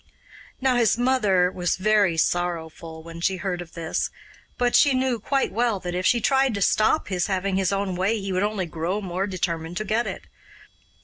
Now his mother was very sorrowful when she heard of this, but she knew quite well that if she tried to stop his having his own way he would only grow more determined to get it.